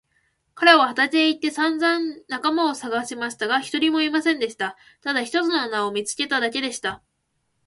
彼は畑へ行ってさんざん仲間をさがしましたが、一人もいませんでした。ただ一つの穴を見つけただけでした。